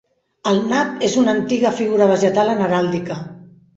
El nap és una antiga figura vegetal en heràldica.